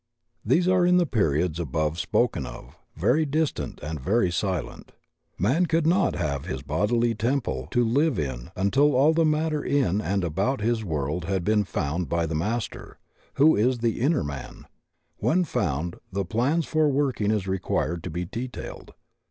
These are in the periods above spoken of, very distant and very silent. Man could not have his bodily temple to live in until all the matter in and about his world had been found by the Master, who is the inner man; when found, the plans for working it required to be detailed.